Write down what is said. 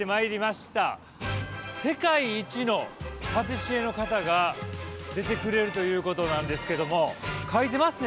世界一のパティシエの方が出てくれるということなんですけども書いてますね